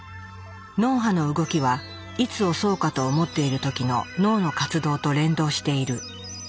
脳波の動きはいつ押そうかと思っている時の脳の活動と連動している。